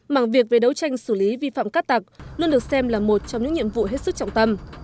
mảng việc về đấu tranh xử lý vi phạm cát tặc luôn được xem là một trong những nhiệm vụ hết sức trọng tâm